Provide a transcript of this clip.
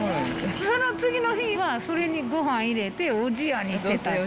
その次の日には、それにごはん入れておじやにして。